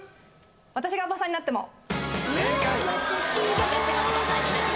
『私がオバさんになっても』正解。